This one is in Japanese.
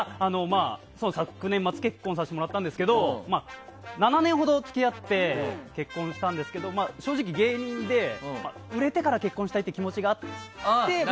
昨年末結婚させてもらったんですけど７年ほど付き合って結婚したんですけど正直、芸人で売れてから結婚したいという気持ちがあって。